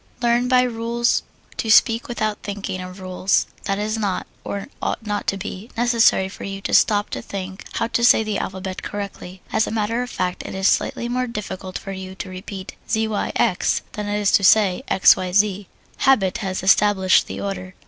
Learn by rules to speak without thinking of rules. It is not or ought not to be necessary for you to stop to think how to say the alphabet correctly, as a matter of fact it is slightly more difficult for you to repeat Z, Y, X than it is to say X, Y, Z habit has established the order.